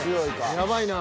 やばいな。